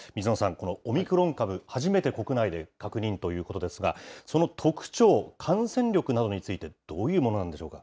このオミクロン株、初めて国内で確認ということですが、その特徴、感染力などについて、どういうものなんでしょうか？